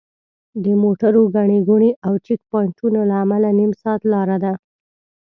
د موټرو ګڼې ګوڼې او چیک پواینټونو له امله نیم ساعت لاره ده.